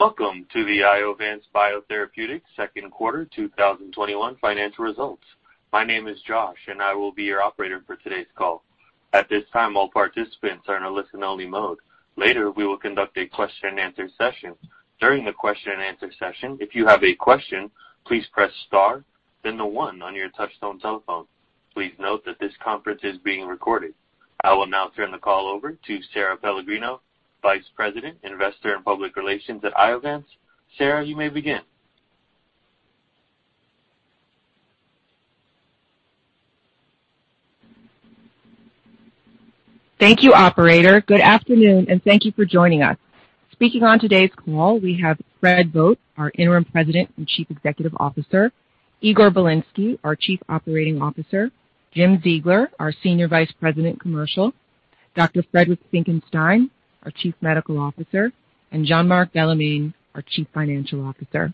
Welcome to the Iovance Biotherapeutics Q2 2021 financial results. My name is Josh. I will be your operator for todays call. At this time, all participants are in a listen-only mode. Later, we will conduct a question and answer session. During the question and answer session, if you have a question, please press star then the one on your touchtone telephone. Please note that this conference is being recorded. I will now turn the call over to Sara Pellegrino, Vice President, Investor and Public Relations at Iovance. Sara you may begin. Thank you operator. Good afternoon, and thank you for joining us. Speaking on todays call, we have Fred Vogt, our Interim President and Chief Executive Officer, Igor Bilinsky, our Chief Operating Officer, Jim Ziegler, our Senior Vice President, Commercial, Dr. Friedrich Graf Finckenstein, our Chief Medical Officer, and Jean-Marc Bellemin, our Chief Financial Officer.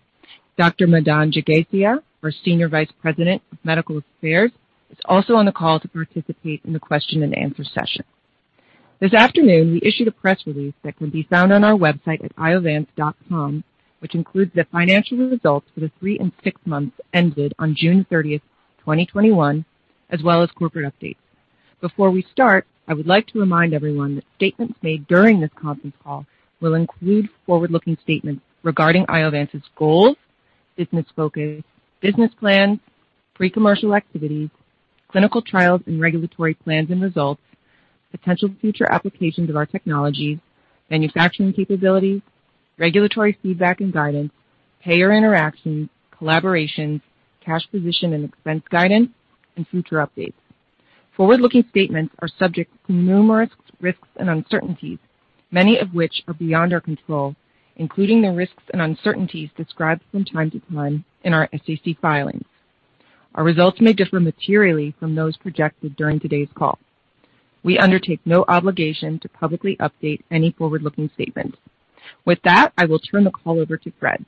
Dr. Madan Jagasia, our Senior Vice President of Medical Affairs, is also on the call to participate in the question and answer session. This afternoon, we issued a press release that can be found on our website at iovance.com, which includes the financial results for the 3 and 6 months ended on June 30th, 2021, as well as corporate updates. Before we start, I would like to remind everyone that statements made during this conference call will include forward-looking statements regarding Iovance's goals, business focus, business plans, pre-commercial activities, clinical trials and regulatory plans and results, potential future applications of our technologies, manufacturing capabilities, regulatory feedback and guidance, payer interactions, collaborations, cash position and expense guidance, and future updates. Forward-looking statements are subject to numerous risks and uncertainties, many of which are beyond our control, including the risks and uncertainties described from time to time in our SEC filings. Our results may differ materially from those projected during todays call. We undertake no obligation to publicly update any forward-looking statement. With that, I will turn the call over to Fred.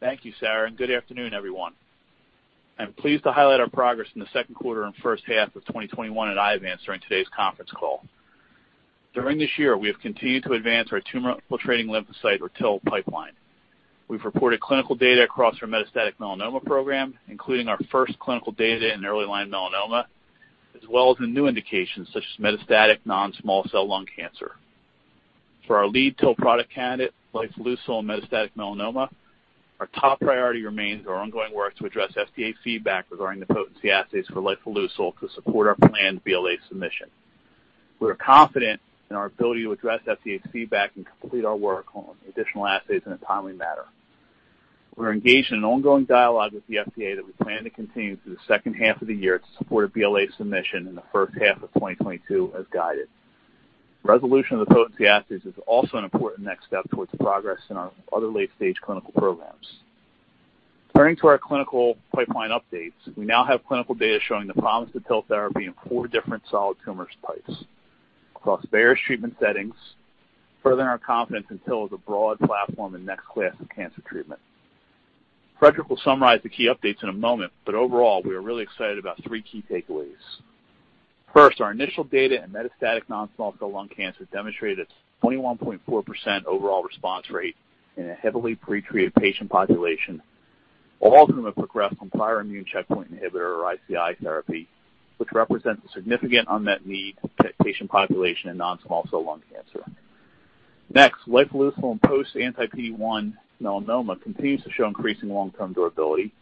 Thank you Sara and good afternoon everyone. I'm pleased to highlight our progress in the second quarter and first half of 2021 at Iovance during todays conference call. During this year, we have continued to advance our tumor-infiltrating lymphocyte, or TIL, pipeline. We've reported clinical data across our metastatic melanoma program, including our first clinical data in early-line melanoma, as well as in new indications such as metastatic non-small cell lung cancer. For our lead TIL product candidate, lifileucel in metastatic melanoma, our top priority remains our ongoing work to address FDA feedback regarding the potency assays for lifileucel to support our planned BLA submission. We are confident in our ability to address FDA's feedback and complete our work on the additional assays in a timely manner. We're engaged in an ongoing dialogue with the FDA that we plan to continue through the second half of the year to support a BLA submission in the first half of 2022 as guided. Resolution of the potency assays is also an important next step towards progress in our other late-stage clinical programs. Turning to our clinical pipeline updates, we now have clinical data showing the promise of TIL therapy in four different solid tumor types across various treatment settings, furthering our confidence in TIL as a broad platform and next class of cancer treatment. Friedrich will summarize the key updates in a moment. Overall, we are really excited about three key takeaways. First, our initial data in metastatic non-small cell lung cancer demonstrated its 21.4% overall response rate in a heavily pre-treated patient population, all of whom have progressed on prior immune checkpoint inhibitor or ICI therapy, which represents a significant unmet need for patient population in non-small cell lung cancer. Next, lifileucel in post anti-PD-1 melanoma continues to show increasing long-term durability.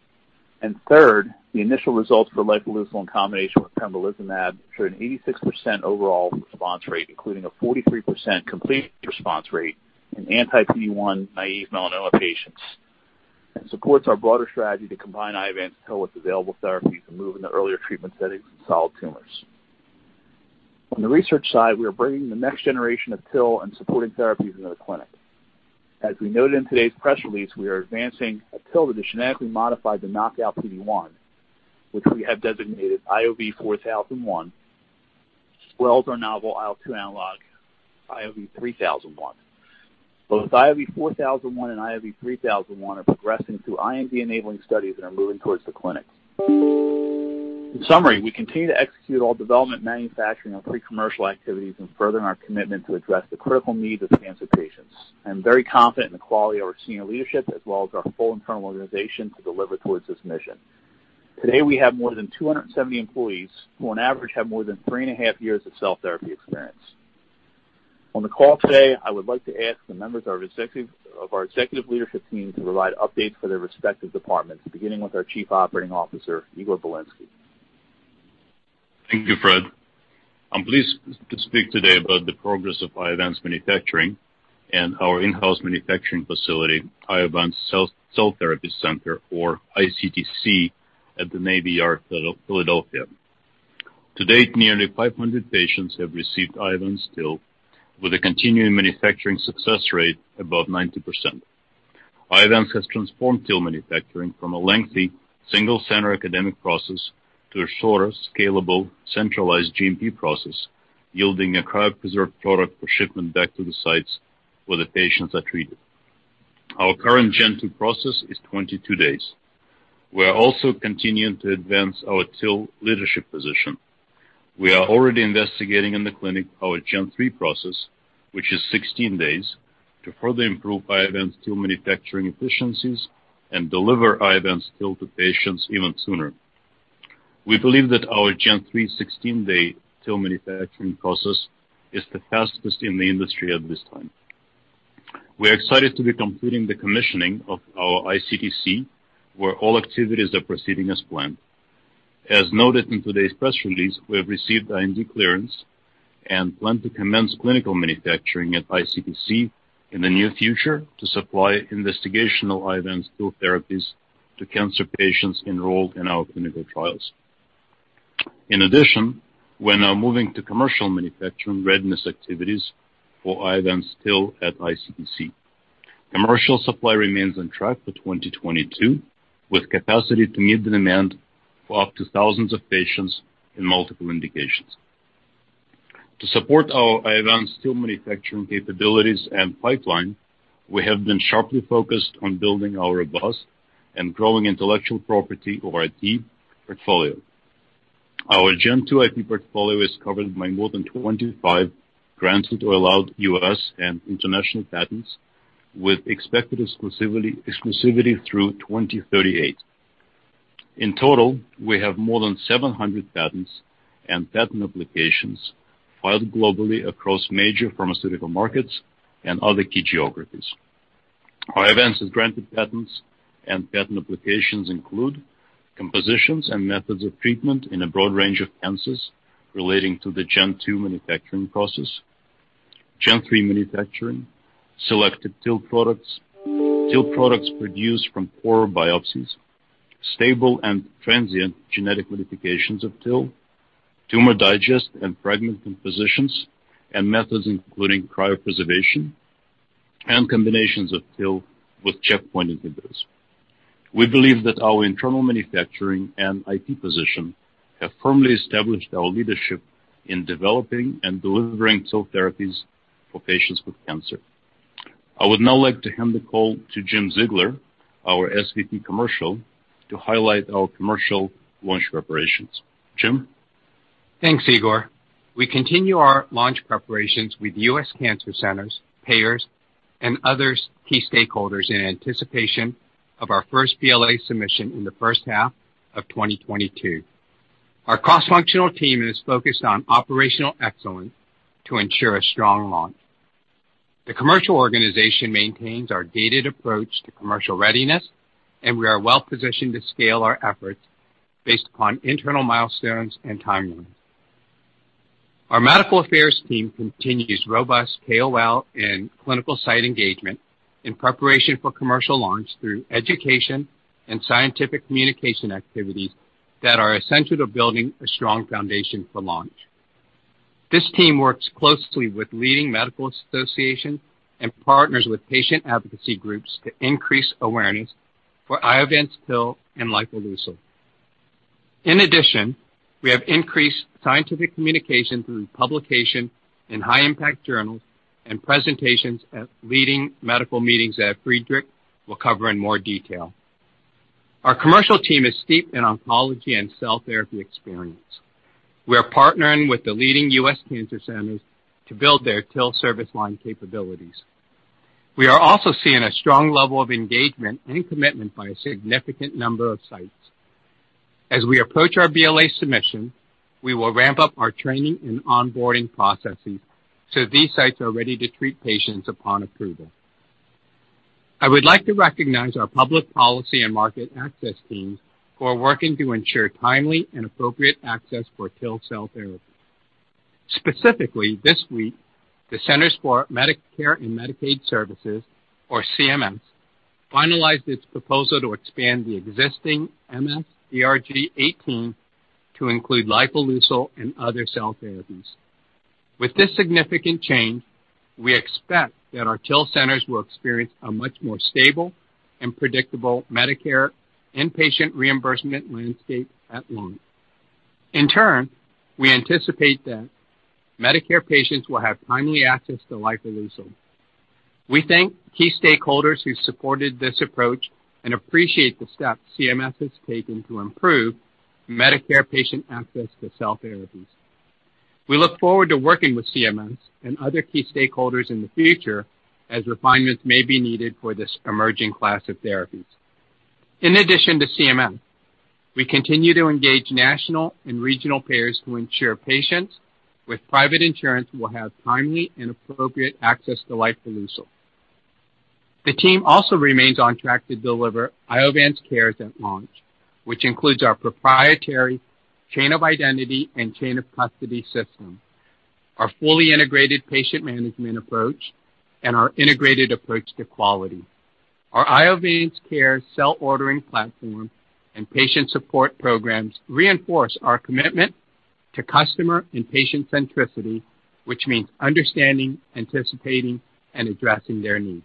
Third, the initial results for lifileucel in combination with pembrolizumab showed an 86% overall response rate, including a 43% complete response rate in anti-PD-1 naive melanoma patients, and supports our broader strategy to combine Iovance TIL with available therapies and move into earlier treatment settings in solid tumors. On the research side, we are bringing the next generation of TIL and supporting therapies into the clinic. As we noted in todays press release, we are advancing a TIL that is genetically modified to knock out PD-1, which we have designated IOV-4001, as well as our novel IL-2 analog, IOV-3001. Both IOV-4001 and IOV-3001 are progressing through IND-enabling studies and are moving towards the clinic. In summary, we continue to execute all development, manufacturing, and pre-commercial activities in furthering our commitment to address the critical needs of cancer patients. I am very confident in the quality of our senior leadership as well as our full internal organization to deliver towards this mission. Today, we have more than 270 employees who on average have more than three and a half years of cell therapy experience. On the call today, I would like to ask the members of our executive leadership team to provide updates for their respective departments, beginning with our Chief Operating Officer, Igor Bilinsky. Thank you Fred. I'm pleased to speak today about the progress of Iovance manufacturing and our in-house manufacturing facility, Iovance Cell Therapy Center, or iCTC, at the Navy Yard, Philadelphia. To date, nearly 500 patients have received Iovance TIL with a continuing manufacturing success rate above 90%. Iovance has transformed TIL manufacturing from a lengthy single-center academic process to a shorter, scalable, centralized GMP process, yielding a cryopreserved product for shipment back to the sites where the patients are treated. Our current GMP process is 22 days. We are also continuing to advance our TIL leadership position. We are already investigating in the clinic our Gen 3 process, which is 16 days, to further improve Iovance TIL manufacturing efficiencies and deliver Iovance TIL to patients even sooner. We believe that our Gen 3 16-day TIL manufacturing process is the fastest in the industry at this time. We're excited to be completing the commissioning of our iCTC, where all activities are proceeding as planned. As noted in todays press release, we have received IND clearance and plan to commence clinical manufacturing at iCTC in the near future to supply investigational Iovance TIL therapies to cancer patients enrolled in our clinical trials. We're now moving to commercial manufacturing readiness activities for Iovance TIL at iCTC. Commercial supply remains on track for 2022, with capacity to meet the demand for up to thousands of patients in multiple indications. To support our Iovance TIL manufacturing capabilities and pipeline, we have been sharply focused on building our robust and growing intellectual property or IP portfolio. Our Gen 2 IP portfolio is covered by more than 25 granted or allowed U.S. and international patents, with expected exclusivity through 2038. In total, we have more than 700 patents and patent applications filed globally across major pharmaceutical markets and other key geographies. Iovance's granted patents and patent applications include compositions and methods of treatment in a broad range of cancers relating to the Gen 2 manufacturing process, Gen 3 manufacturing, selected TIL products, TIL products produced from core biopsies, stable and transient genetic modifications of TIL, tumor digest and fragment compositions and methods including cryopreservation, and combinations of TIL with checkpoint inhibitors. We believe that our internal manufacturing and IP position have firmly established our leadership in developing and delivering cell therapies for patients with cancer. I would now like to hand the call to Jim Ziegler, our SVP Commercial, to highlight our commercial launch preparations. Jim? Thanks Igor. We continue our launch preparations with U.S. cancer centers, payers, and other key stakeholders in anticipation of our first BLA submission in the first half of 2022. Our cross-functional team is focused on operational excellence to ensure a strong launch. The commercial organization maintains our gated approach to commercial readiness, and we are well-positioned to scale our efforts based upon internal milestones and timelines. Our medical affairs team continues robust KOL and clinical site engagement in preparation for commercial launch through education and scientific communication activities that are essential to building a strong foundation for launch. This team works closely with leading medical associations and partners with patient advocacy groups to increase awareness for Iovance TIL and lifileucel. In addition, we have increased scientific communications through publication in high-impact journals and presentations at leading medical meetings that Friedrich will cover in more detail. Our commercial team is steeped in oncology and cell therapy experience. We're partnering with the leading U.S. cancer centers to build their TIL service line capabilities. We are also seeing a strong level of engagement and commitment by a significant number of sites. As we approach our BLA submission, we will ramp up our training and onboarding processes so these sites are ready to treat patients upon approval. I would like to recognize our public policy and market access teams who are working to ensure timely and appropriate access for TIL cell therapy. Specifically, this week, the Centers for Medicare & Medicaid Services, or CMS, finalized its proposal to expand the existing MS-DRG 018 to include liposomal and other cell therapies. With this significant change, we expect that our TIL centers will experience a much more stable and predictable Medicare inpatient reimbursement landscape at launch. In turn, we anticipate that Medicare patients will have timely access to lifileucel. We thank key stakeholders who supported this approach and appreciate the steps CMS has taken to improve Medicare patient access to cell therapies. We look forward to working with CMS and other key stakeholders in the future as refinements may be needed for this emerging class of therapies. In addition to CMS, we continue to engage national and regional payers to ensure patients with private insurance will have timely and appropriate access to lifileucel. The team also remains on track to deliver IovanceCares at launch, which includes our proprietary chain of identity and chain of custody system, our fully integrated patient management approach, and our integrated approach to quality. Our IovanceCares cell ordering platform and patient support programs reinforce our commitment to customer and patient centricity, which means understanding, anticipating, and addressing their needs.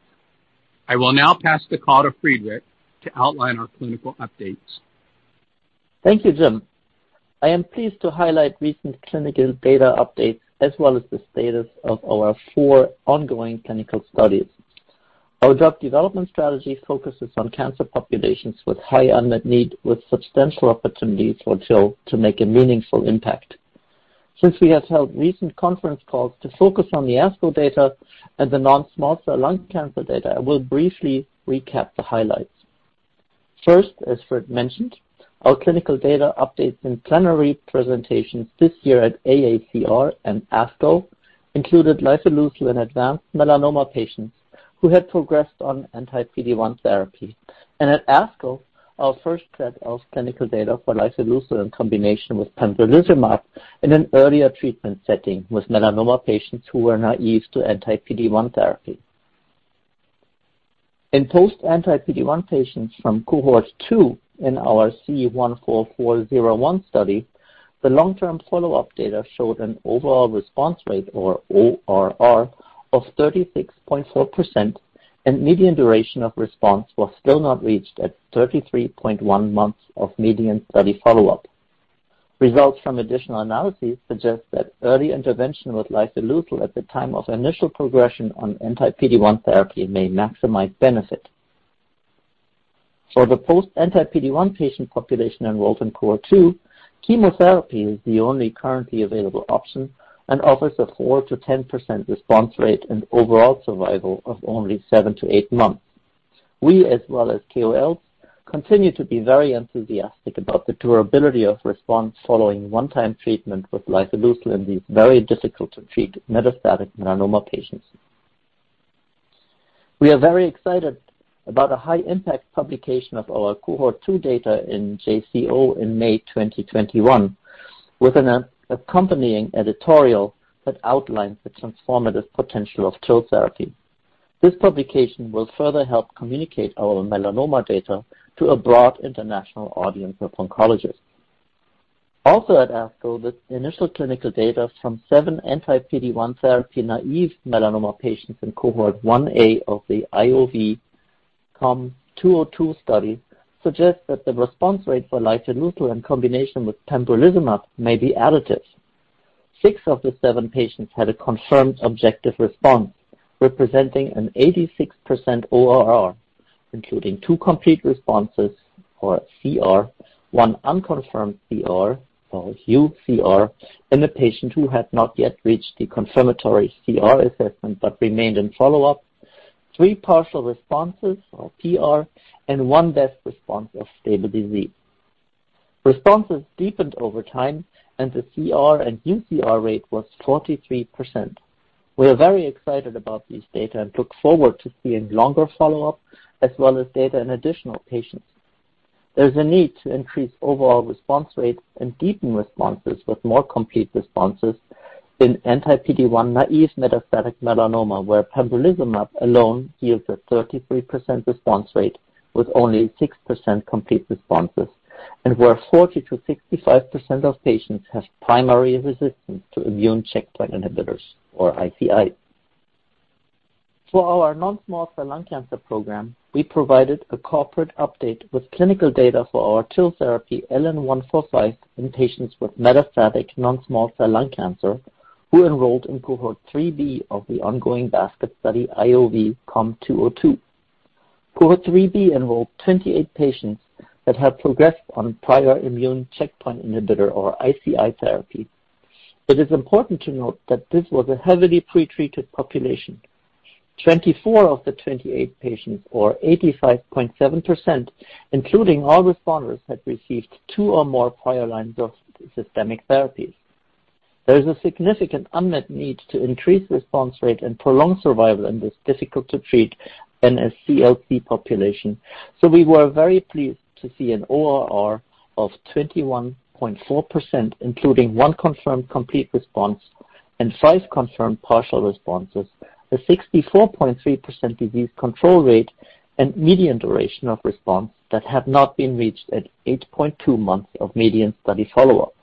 I will now pass the call to Friedrich to outline our clinical updates. Thank you, Jim. I am pleased to highlight recent clinical data updates as well as the status of our four ongoing clinical studies. Our drug development strategy focuses on cancer populations with high unmet need, with substantial opportunities for TIL to make a meaningful impact. Since we have held recent conference calls to focus on the ASCO data and the non-small cell lung cancer data, I will briefly recap the highlights. First, as Fred mentioned, our clinical data updates in plenary presentations this year at AACR and ASCO included lifileucel in advanced melanoma patients who had progressed on anti-PD-1 therapy. At ASCO, our first set of clinical data for lifileucel in combination with pembrolizumab in an earlier treatment setting with melanoma patients who were naive to anti-PD-1 therapy. In post anti-PD-1 patients from cohort 2 in our C-144-01 study, the long-term follow-up data showed an overall response rate, or ORR, of 36.4%, and median duration of response was still not reached at 33.1 months of median study follow-up. Results from additional analyses suggest that early intervention with lifileucel at the time of initial progression on anti-PD-1 therapy may maximize benefit. For the post anti-PD-1 patient population enrolled in cohort 2, chemotherapy is the only currently available option and offers a 4%-10% response rate and overall survival of only 7-8 months. We, as well as KOLs, continue to be very enthusiastic about the durability of response following one-time treatment with lifileucel in these very difficult to treat metastatic melanoma patients. We are very excited about a high-impact publication of our Cohort 2 data in JCO in May 2021, with an accompanying editorial that outlines the transformative potential of TIL therapy. This publication will further help communicate our melanoma data to a broad international audience of oncologists. Also at ASCO, the initial clinical data from seven anti-PD-1 therapy, naive melanoma patients in Cohort 1A of the IOV-COM-202 study suggests that the response rate for lifileucel in combination with pembrolizumab may be additive. Six of the seven patients had a confirmed objective response, representing an 86% ORR, including two complete responses or CR, 1 unconfirmed CR, or UCR in a patient who had not yet reached the confirmatory CR assessment but remained in follow-up. Three partial responses or PR, and 1 best response of stable disease. Responses deepened over time. The CR and UCR rate was 43%. We are very excited about these data and look forward to seeing longer follow-up as well as data in additional patients. There is a need to increase overall response rates and deepen responses with more complete responses in anti-PD-1, naive metastatic melanoma, where pembrolizumab alone yields a 33% response rate with only 6% complete responses, and where 40%-65% of patients have primary resistance to immune checkpoint inhibitors or ICI. For our non-small cell lung cancer program, we provided a corporate update with clinical data for our TIL therapy LN-145 in patients with metastatic non-small cell lung cancer who enrolled in Cohort 3B of the ongoing basket study, IOV-COM-202. Cohort 3B enrolled 28 patients that had progressed on prior immune checkpoint inhibitor or ICI therapy. It is important to note that this was a heavily pretreated population. 24 of the 28 patients, or 85.7%, including all responders, had received two or more prior lines of systemic therapies. There is a significant unmet need to increase response rate and prolong survival in this difficult to treat NSCLC population. We were very pleased to see an ORR of 21.4%, including one confirmed complete response and five confirmed partial responses, a 64.3% disease control rate and median duration of response that had not been reached at 8.2 months of median study follow-up.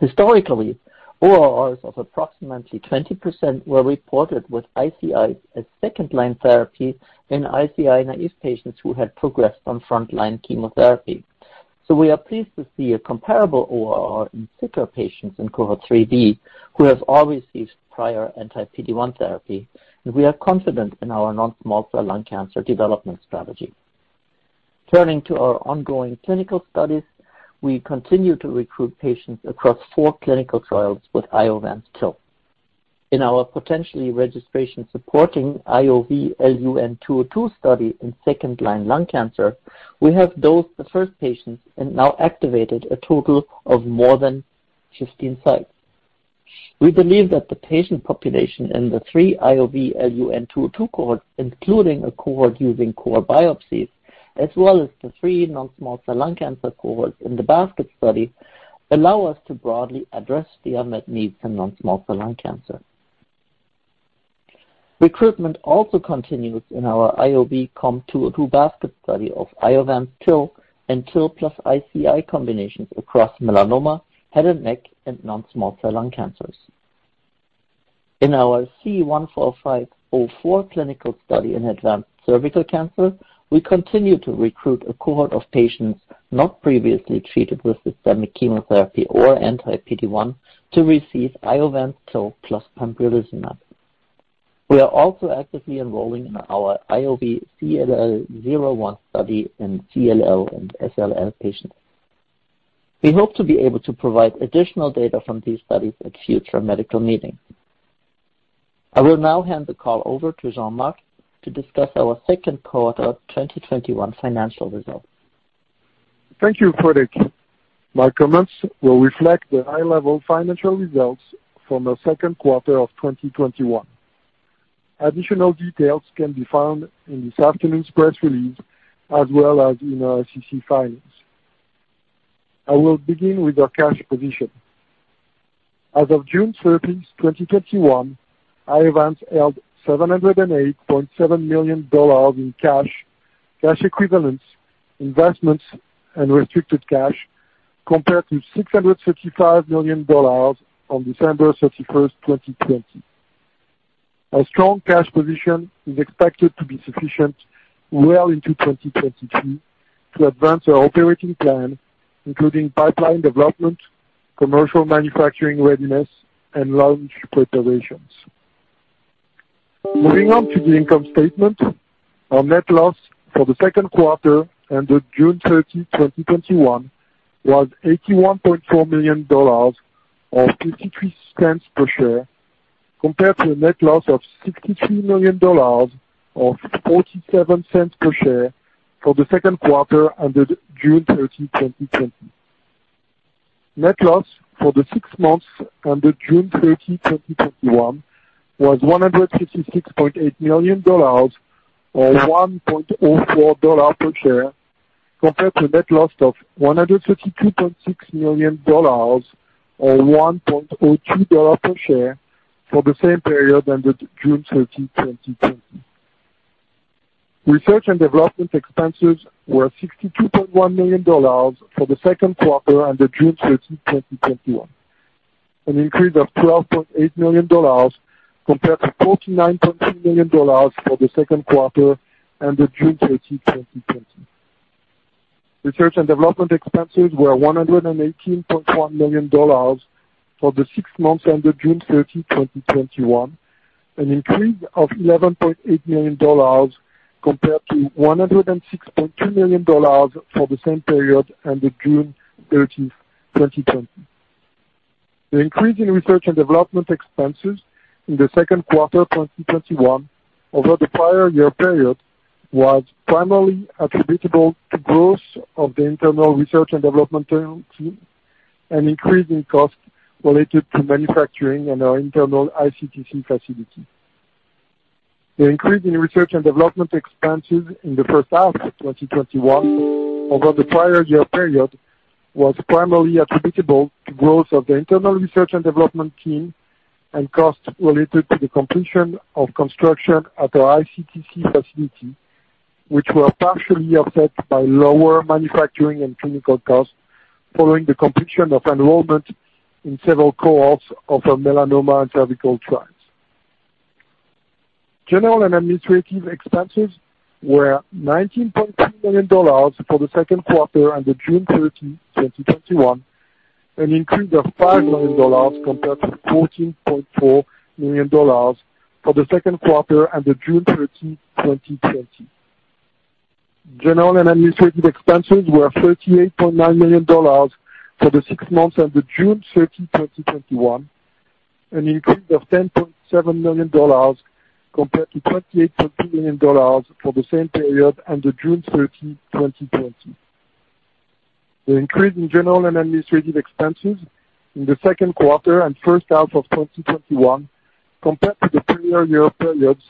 Historically, ORRs of approximately 20% were reported with ICIs as second-line therapy in ICI-naive patients who had progressed on frontline chemotherapy. We are pleased to see a comparable ORR in sicker patients in Cohort 3B who have all received prior anti-PD-1 therapy, and we are confident in our NSCLC development strategy. Turning to our ongoing clinical studies, we continue to recruit patients across four clinical trials with Iovance TIL. In our potentially registration-supporting IOV-LUN-202 study in second-line NSCLC, we have dosed the first patients and now activated a total of more than 15 sites. We believe that the patient population in the three IOV-LUN-202 cohorts, including a cohort using core biopsies, as well as the three NSCLC cohorts in the basket study, allow us to broadly address the unmet needs in NSCLC. Recruitment also continues in our IOV-COM-202 basket study of Iovance TIL and TIL plus ICI combinations across melanoma, head and neck, and non-small cell lung cancers. In our C-145-04 clinical study in advanced cervical cancer, we continue to recruit a cohort of patients not previously treated with systemic chemotherapy or anti-PD-1 to receive Iovance TIL plus pembrolizumab. We are also actively enrolling in our IOV-CLL-01 study in CLL and SLL patients. We hope to be able to provide additional data from these studies at future medical meetings. I will now hand the call over to Jean-Marc to discuss our second quarter 2021 financial results. Thank you Frederich. My comments will reflect the high-level financial results from the second quarter of 2021. Additional details can be found in this afternoon's press release, as well as in our SEC filings. I will begin with our cash position. As of June 30, 2021, Iovance held $708.7 million in cash equivalents, investments, and restricted cash, compared to $635 million on December 31, 2020. Our strong cash position is expected to be sufficient well into 2022 to advance our operating plan, including pipeline development, commercial manufacturing readiness, and launch preparations. Moving on to the income statement. Our net loss for the second quarter ended June 30, 2021, was $81.4 million, or $0.53 per share, compared to a net loss of $63 million or $0.47 per share for the second quarter ended June 30, 2020. Net loss for the six months ended June 30, 2021, was $156.8 million or $1.04 per share, compared to a net loss of $132.6 million or $1.02 per share for the same period ended June 30, 2020. Research and development expenses were $62.1 million for the second quarter ended June 30, 2021, an increase of $12.8 million compared to $49.2 million for the second quarter ended June 30, 2020. Research and development expenses were $118.1 million for the six months ended June 30, 2021, an increase of $11.8 million compared to $106.2 million for the same period ended June 30, 2020. The increase in research and development expenses in the second quarter 2021 over the prior year period was primarily attributable to growth of the internal research and development team and increase in cost related to manufacturing in our internal iCTC facility. The increase in research and development expenses in the first half of 2021 over the prior year period was primarily attributable to growth of the internal research and development team and costs related to the completion of construction at our iCTC facility, which were partially offset by lower manufacturing and clinical costs following the completion of enrollment in several cohorts of our melanoma and cervical trials. General and administrative expenses were $19.2 million for the second quarter ended June 30, 2021, an increase of $5 million compared to $14.4 million for the second quarter ended June 30, 2020. General and administrative expenses were $38.9 million for the six months ended June 30, 2021, an increase of $10.7 million compared to $28.2 million for the same period ended June 30, 2020. The increase in general and administrative expenses in the second quarter and first half of 2021 compared to the prior year periods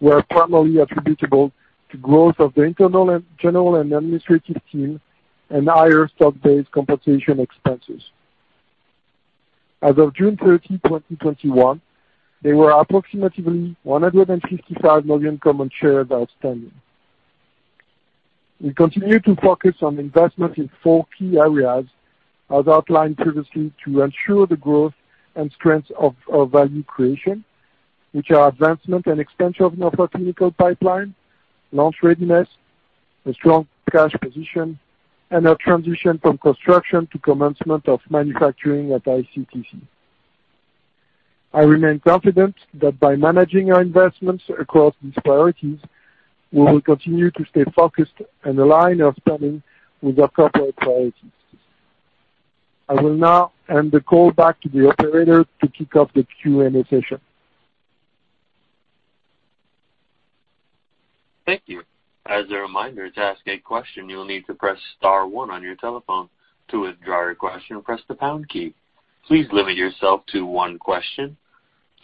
were primarily attributable to growth of the internal and general and administrative team and higher stock-based compensation expenses. As of June 30, 2021, there were approximately 165 million common shares outstanding. We continue to focus on investment in four key areas as outlined previously to ensure the growth and strength of our value creation, which are advancement and expansion of our clinical pipeline, launch readiness, a strong cash position, and a transition from construction to commencement of manufacturing at iCTC. I remain confident that by managing our investments across these priorities, we will continue to stay focused and align our planning with our corporate priorities. I will now hand the call back to the operator to kick off the Q&A session. Thank you. As a reminder to ask a question you will need to press star one on your telephone. To withdraw your question, press the pound key. Please limit yourself to one question.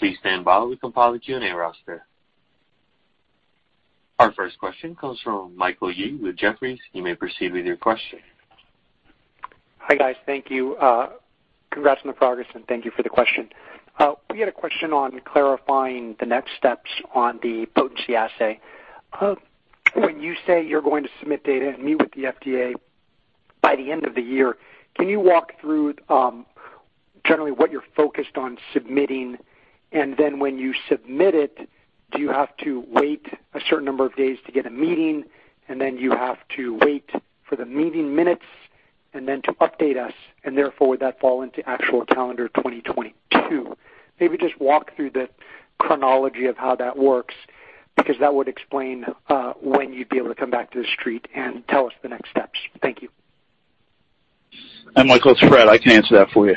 Please stand by as we compile the queue roster. Our first question comes from Michael Yee with Jefferies. You may proceed with your question. Hi guys. Thank you. Congrats on the progress, and thank you for the question. We had a question on clarifying the next steps on the potency assay. When you say you're going to submit data and meet with the FDA by the end of the year, can you walk through generally what you're focused on submitting? When you submit it, do you have to wait a certain number of days to get a meeting, and then you have to wait for the meeting minutes? To update us, and therefore would that fall into actual calendar 2022? Maybe just walk through the chronology of how that works, because that would explain when you'd be able to come back to the street and tell us the next steps. Thank you. Hi Michael. It's Fred. I can answer that for you.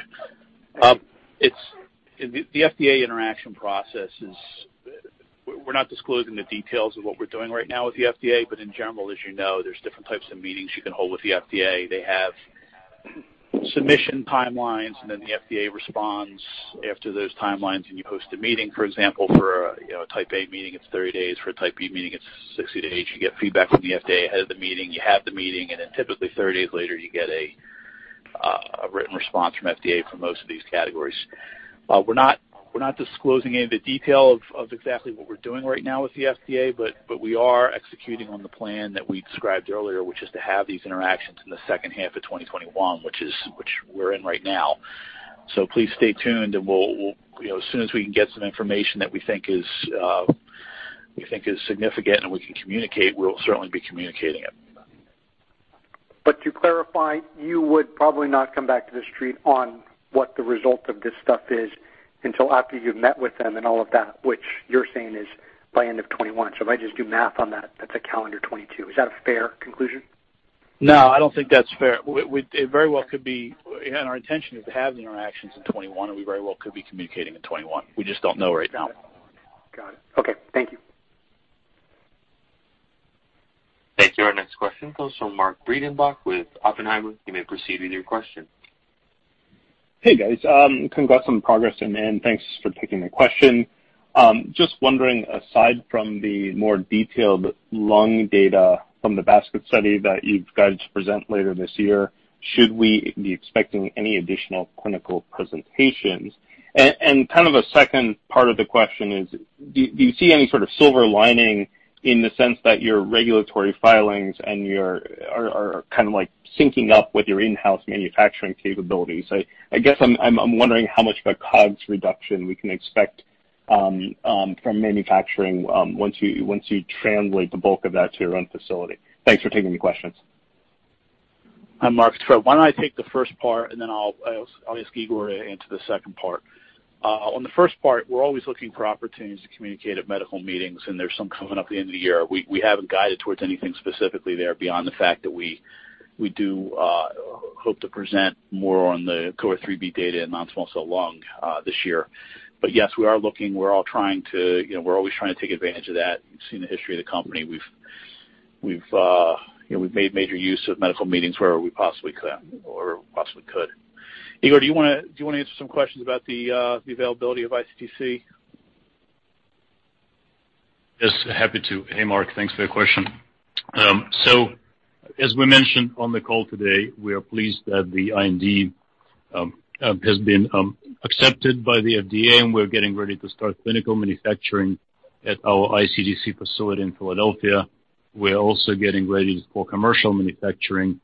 The FDA interaction process is, we're not disclosing the details of what we're doing right now with the FDA, but in general, as you know, there's different types of meetings you can hold with the FDA. They have submission timelines. The FDA responds after those timelines, and you host a meeting. For example, for a Type A meeting, it's 30 days. For a Type B meeting, it's 60 days. You get feedback from the FDA ahead of the meeting. You have the meeting. Typically 30 days later you get a written response from FDA for most of these categories. We're not disclosing any of the detail of exactly what we're doing right now with the FDA, but we are executing on the plan that we described earlier, which is to have these interactions in the second half of 2021, which we're in right now. Please stay tuned and as soon as we can get some information that we think is significant, and we can communicate, we'll certainly be communicating it. To clarify, you would probably not come back to the street on what the result of this stuff is until after you've met with them and all of that, which you're saying is by end of 2021. If I just do math on that's a calendar 2022. Is that a fair conclusion? No, I don't think that's fair. Our intention is to have the interactions in 2021, and we very well could be communicating in 2021. We just don't know right now. Got it. Okay. Thank you. Thank you. Our next question comes from Mark Breidenbach with Oppenheimer. You may proceed with your question. Hey guys. Congrats on the progress and thanks for taking my question. Just wondering, aside from the more detailed lung data from the basket study that you've guided to present later this year, should we be expecting any additional clinical presentations? Kind of a second part of the question is, do you see any sort of silver lining in the sense that your regulatory filings are kind of syncing up with your in-house manufacturing capabilities? I guess I'm wondering how much of a COGS reduction we can expect from manufacturing once you translate the bulk of that to your own facility. Thanks for taking the questions. Hi Mark. It's Fred. Why don't I take the first part and then I'll ask Igor to answer the second part. On the first part, we're always looking for opportunities to communicate at medical meetings, and there's some coming up at the end of the year. We haven't guided towards anything specifically there beyond the fact that we do hope to present more on the Cohort 3B data in Non-Small Cell Lung this year. Yes, we are looking. We're always trying to take advantage of that. You've seen the history of the company. We've made major use of medical meetings where we possibly could. Igor do you want to answer some questions about the availability of iCTC? Yes happy to. Hey Mark thanks for your question. As we mentioned on the call today, we are pleased that the IND has been accepted by the FDA, and we're getting ready to start clinical manufacturing at our iCTC facility in Philadelphia. We're also getting ready for commercial manufacturing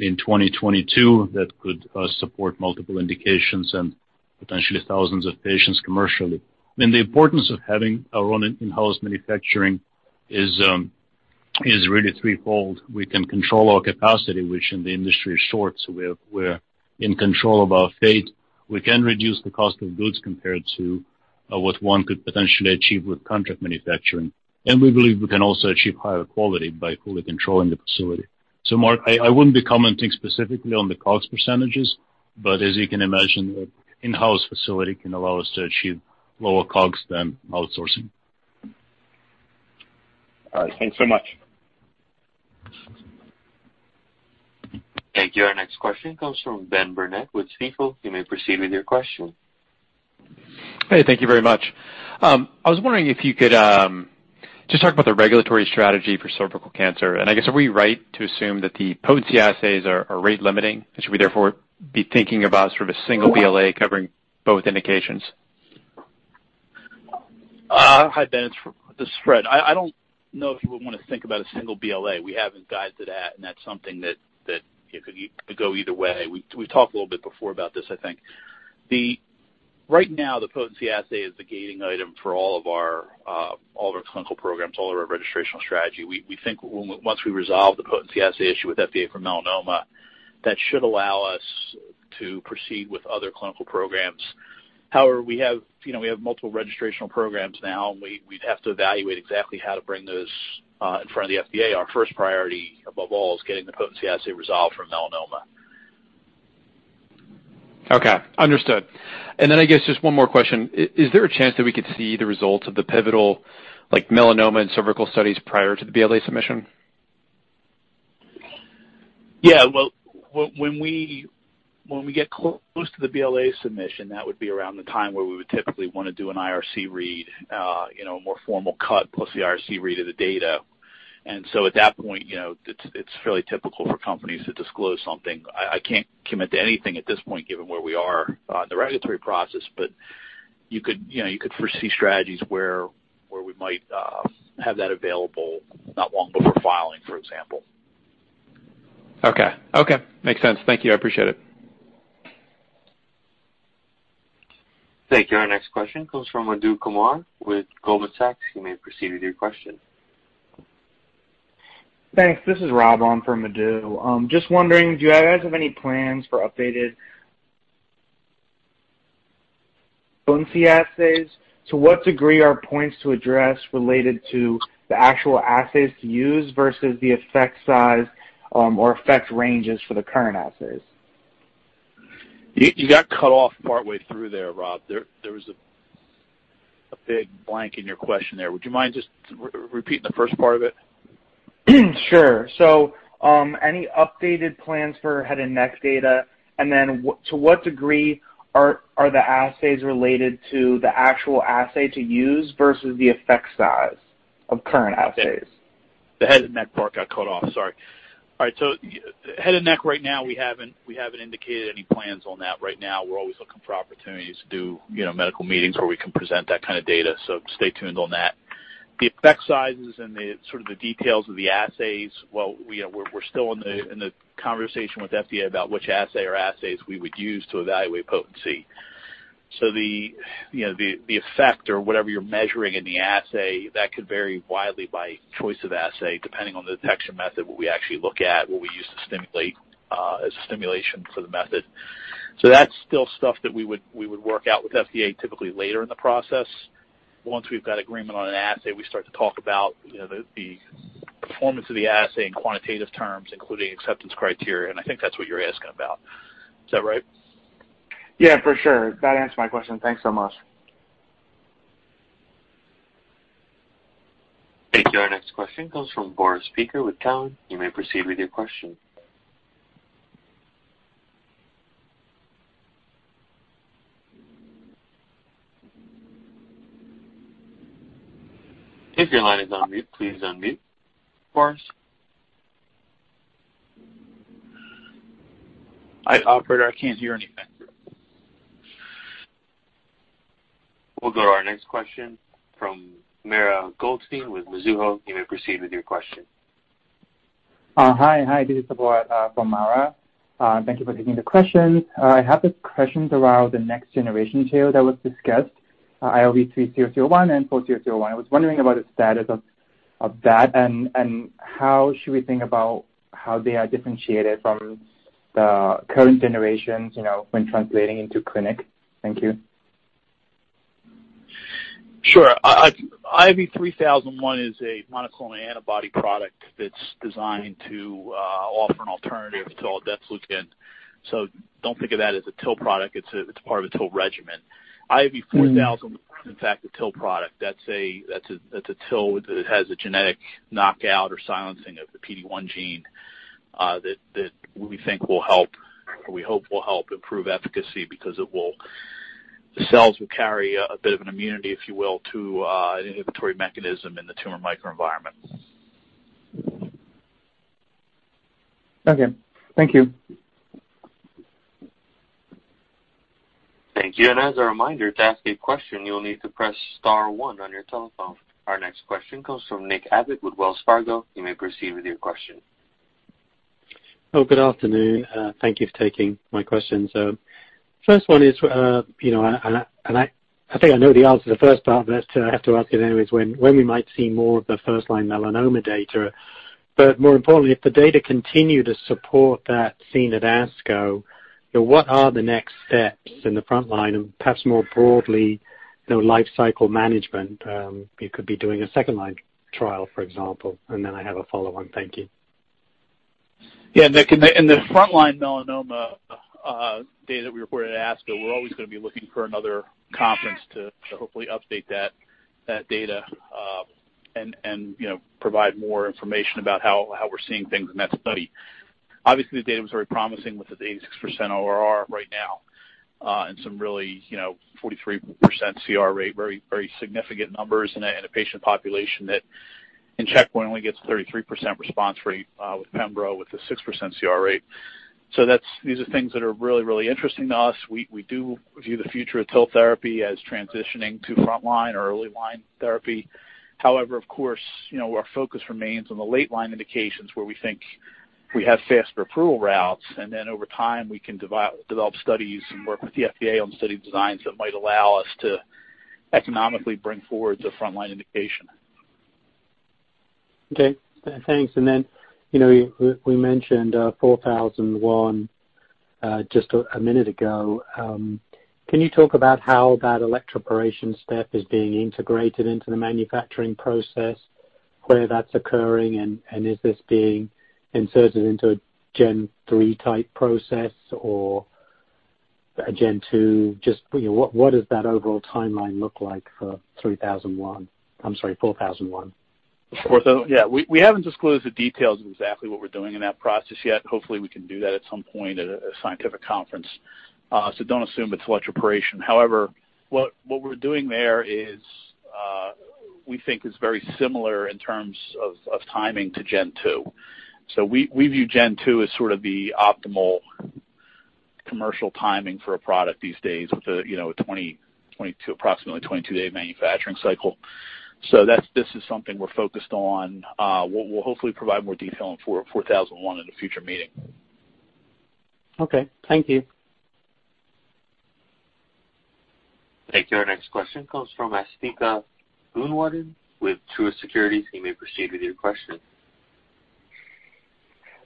in 2022 that could support multiple indications and potentially thousands of patients commercially. The importance of having our own in-house manufacturing is really threefold. We can control our capacity, which in the industry is short, so we're in control of our fate. We can reduce the cost of goods compared to what one could potentially achieve with contract manufacturing. We believe we can also achieve higher quality by fully controlling the facility. Mark I wouldn't be commenting specifically on the COGS percentages, but as you can imagine, an in-house facility can allow us to achieve lower COGS than outsourcing. All right. Thanks so much. Thank you. Our next question comes from Ben Burnett with Stifel. Hey thank you very much. I was wondering if you could just talk about the regulatory strategy for cervical cancer. I guess, are we right to assume that the potency assays are rate limiting, and should we therefore be thinking about sort of a single BLA covering both indications? Hi Ben. This is Fred. I don't know if you would want to think about a single BLA. We haven't guided to that, and that's something that could go either way. We've talked a little bit before about this, I think. Right now, the potency assay is the gating item for all of our clinical programs, all of our registrational strategy. We think once we resolve the potency assay issue with FDA for melanoma, that should allow us to proceed with other clinical programs. We have multiple registrational programs now, and we'd have to evaluate exactly how to bring those in front of the FDA. Our first priority above all is getting the potency assay resolved for melanoma. Okay. Understood. Then I guess just one more question. Is there a chance that we could see the results of the pivotal melanoma and cervical studies prior to the BLA submission? Yeah, well, when we get close to the BLA submission, that would be around the time where we would typically want to do an IRC read, a more formal cut plus the IRC read of the data. At that point, it's fairly typical for companies to disclose something. I can't commit to anything at this point given where we are in the regulatory process, but you could foresee strategies where we might have that available not long before filing for example. Okay. Makes sense. Thank you. I appreciate it. Thank you. Our next question comes from Madhu Kumar with Goldman Sachs. You may proceed with your question. Thanks. This is Rob. I am from Madhu. Just wondering, do you guys have any plans for updated potency assays? To what degree are points to address related to the actual assays to use versus the effect size or effect ranges for the current assays? You got cut off partway through there Rob. There was a big blank in your question there. Would you mind just repeating the first part of it? Sure. Any updated plans for head and neck data? To what degree are the assays related to the actual assay to use versus the effect size of current assays? The head and neck part got cut off. Sorry. All right. Head and neck right now, we haven't indicated any plans on that right now. We're always looking for opportunities to do medical meetings where we can present that kind of data, so stay tuned on that. The effect sizes and the details of the assays, we're still in the conversation with FDA about which assay or assays we would use to evaluate potency. The effect or whatever you're measuring in the assay, that could vary widely by choice of assay, depending on the detection method, what we actually look at, what we use as a stimulation for the method. That's still stuff that we would work out with FDA typically later in the process. Once we've got agreement on an assay, we start to talk about the performance of the assay in quantitative terms, including acceptance criteria, and I think that's what you're asking about. Is that right? Yeah for sure. That answers my question. Thanks so much. Thank you. Our next question comes from Boris Peaker with Cowen. You may proceed with your question. If your line is on mute, please unmute. Boris? Operator I can't hear anything. We'll go to our next question from Mara Goldstein with Mizuho. You may proceed with your question. Hi. This is support from Mara. Thank you for taking the question. I have this question around the next generation here that was discussed, IOV-3001 and IOV-4001. I was wondering about the status of that and how should we think about how they are differentiated from the current generations when translating into clinic. Thank you. Sure. IOV-3001 is a monoclonal antibody product that's designed to offer an alternative to PD-L1. Don't think of that as a TIL product. It's a part of a TIL regimen. IOV-4001 is in fact a TIL product. That's a TIL that has a genetic knockout or silencing of the PD-1 gene, that we think will help, or we hope will help improve efficacy because the cells will carry a bit of an immunity, if you will, to an inhibitory mechanism in the tumor microenvironment. Okay. Thank you. Thank you. As a reminder to ask a question, you will need to press star one on your telephone. Our next question comes from Nick Abbott with Wells Fargo. You may proceed with your question. Good afternoon. Thank you for taking my questions. First one is, I think I know the answer to the first part, but I have to ask it anyways, when we might see more of the first-line melanoma data? More importantly, if the data continue to support that seen at ASCO, what are the next steps in the front line and perhaps more broadly, life cycle management? You could be doing a second-line trial, for example, and then I have a follow-on. Thank you. Yeah Nick in the front line melanoma data we reported at ASCO, we're always going to be looking for another conference to hopefully update that data, and provide more information about how we're seeing things in that study. Obviously, the data was very promising with the 86% ORR right now. Some really 43% CR rate, very significant numbers in a patient population that in checkpoint only gets 33% response rate with pembro, with a 6% CR rate. These are things that are really interesting to us. We do view the future of TIL therapy as transitioning to front line or early line therapy. Of course, our focus remains on the late line indications where we think we have faster approval routes, and then over time we can develop studies and work with the FDA on study designs that might allow us to economically bring forward the front line indication. Okay. Thanks. We mentioned 4001 just a minute ago. Can you talk about how that electroporation step is being integrated into the manufacturing process, where that's occurring, and is this being inserted into a Gen 3 type process or a Gen 2? Just what does that overall timeline look like for 3001? I'm sorry, 4001. Yeah. We haven't disclosed the details of exactly what we're doing in that process yet. Hopefully, we can do that at some point at a scientific conference. Don't assume it's electroporation. However, what we're doing there is, we think is very similar in terms of timing to Gen 2. We view Gen 2 as sort of the optimal commercial timing for a product these days with approximately 22-day manufacturing cycle. This is something we're focused on. We'll hopefully provide more detail on 4001 in a future meeting. Okay. Thank you. Thank you. Our next question comes from Asthika Goonewardene with Truist Securities. You may proceed with your question.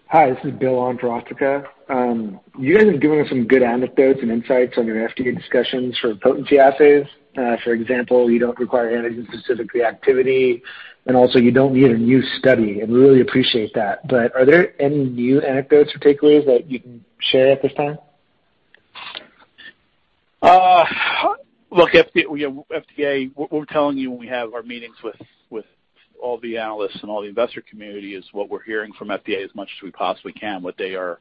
Hi this is Bill on for Asthika. You guys have given us some good anecdotes and insights on your FDA discussions for potency assays. For example, you don't require antigen specific reactivity, and also you don't need a new study, and we really appreciate that. Are there any new anecdotes or takeaways that you can share at this time? Look, FDA, what we're telling you when we have our meetings with all the analysts and all the investor community, is what we're hearing from FDA as much as we possibly can, what they are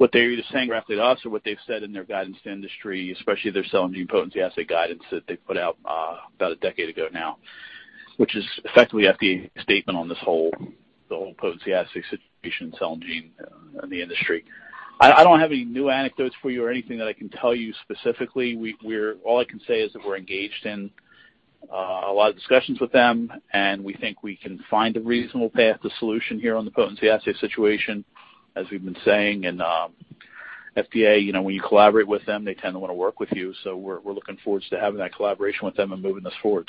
either saying directly to us or what they've said in their guidance to industry, especially their cell and gene potency assay guidance that they put out about a decade ago now, which is effectively FDA statement on this whole potency assay situation, cell and gene in the industry. I don't have any new anecdotes for you or anything that I can tell you specifically. All I can say is that we're engaged in a lot of discussions with them, and we think we can find a reasonable path to solution here on the potency assay situation, as we've been saying. FDA when you collaborate with them, they tend to want to work with you. We're looking forward to having that collaboration with them and moving this forward.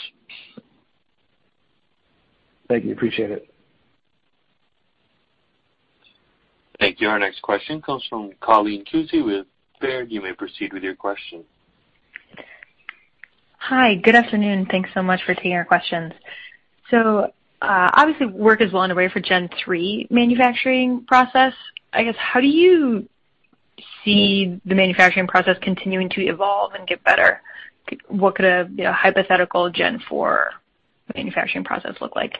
Thank you. Appreciate it. Thank you. Our next question comes from Colleen Kusy with Baird. You may proceed with your question. Hi. Good afternoon. Thanks so much for taking our questions. Obviously, work is well underway for Gen 3 manufacturing process. I guess, how do you see the manufacturing process continuing to evolve and get better? What could a hypothetical Gen 4 manufacturing process look like?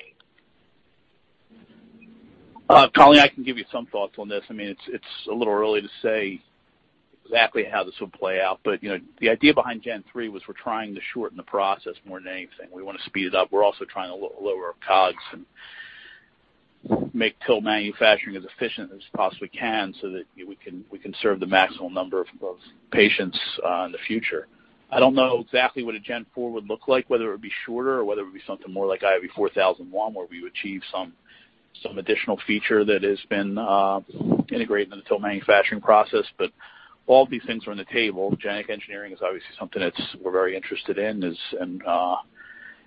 Colleen I can give you some thoughts on this. It's a little early to say exactly how this will play out, but the idea behind Gen 3 was we're trying to shorten the process more than anything. We want to speed it up. We're also trying to lower our COGS and make TIL manufacturing as efficient as we possibly can so that we can serve the maximum number of patients in the future. I don't know exactly what a Gen 4 would look like, whether it would be shorter or whether it would be something more like IOV-4001, where we achieve some additional feature that has been integrated into the TIL manufacturing process. All of these things are on the table. Genetic engineering is obviously something that we're very interested in, and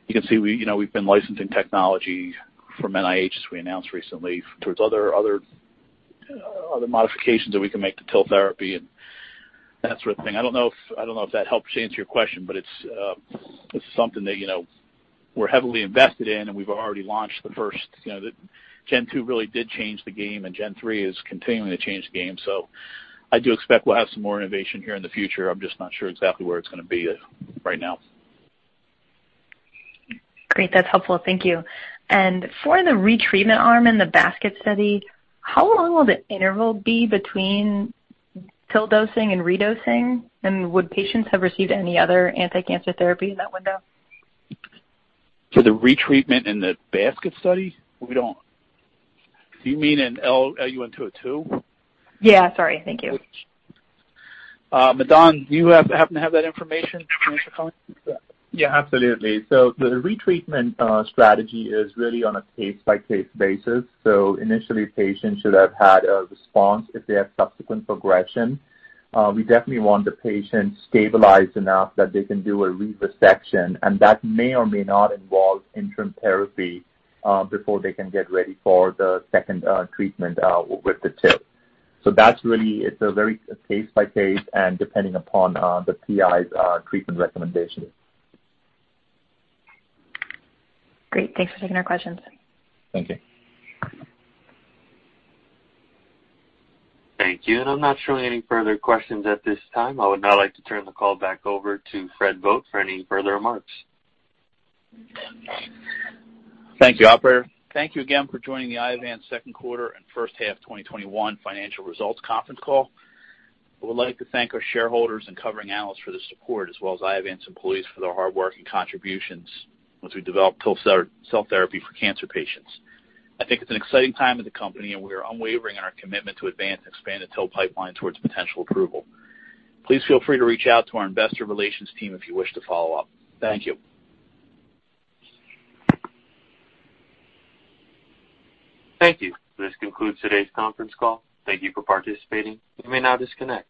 you can see we've been licensing technology from NIH, as we announced recently, towards other modifications that we can make to TIL therapy and that sort of thing. I don't know if that helps to answer your question, but it's something that we're heavily invested in, and we've already launched the first. Gen 2 really did change the game, and Gen 3 is continuing to change the game. I do expect we'll have some more innovation here in the future. I'm just not sure exactly where it's going to be right now. Great. That's helpful. Thank you. For the retreatment arm in the basket study, how long will the interval be between TIL dosing and redosing? Would patients have received any other anticancer therapy in that window? For the retreatment in the basket study? Do you mean in IOV-LUN-202? Yeah. Sorry. Thank you. Madan, do you happen to have that information to answer Colleen? Yeah absolutely. The retreatment strategy is really on a case-by-case basis. Initially, patients should have had a response if they have subsequent progression. We definitely want the patient stabilized enough that they can do a resection, and that may or may not involve interim therapy before they can get ready for the second treatment with the TIL. That's really, it's a very case-by-case and depending upon the PI's treatment recommendations. Great. Thanks for taking our questions. Thank you. Thank you. I'm not showing any further questions at this time. I would now like to turn the call back over to Fred Vogt for any further remarks. Thank you, operator. Thank you again for joining the Iovance second quarter and first half 2021 financial results conference call. I would like to thank our shareholders and covering analysts for their support as well as Iovance employees for their hard work and contributions once we develop cell therapy for cancer patients. I think it's an exciting time in the company. We are unwavering in our commitment to advance and expand the TIL pipeline towards potential approval. Please feel free to reach out to our investor relations team if you wish to follow up. Thank you. Thank you. This concludes todays conference call. Thank you for participating. You may now disconnect.